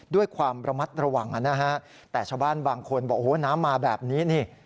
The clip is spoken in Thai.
ด้วยความระมัดระวังแต่ชาวบ้านบางคนบอกว่าน้ำมาแบบนี้